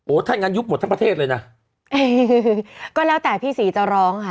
ถ้างั้นยุบหมดทั้งประเทศเลยนะเออก็แล้วแต่พี่ศรีจะร้องค่ะ